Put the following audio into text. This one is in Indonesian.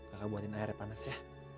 kakak buatin air panas ya